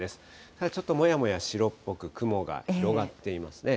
ただ、ちょっともやもや白っぽく雲が広がっていますね。